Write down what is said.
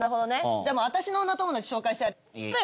じゃ私の女友達紹介してやるよ。